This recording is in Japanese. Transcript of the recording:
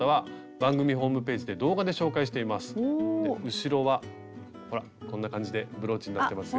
後ろはほらこんな感じでブローチになってますよ。